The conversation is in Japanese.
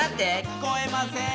聞こえません。